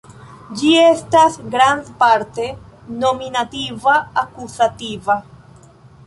Ĝi estas grandparte nominativa-akuzativa.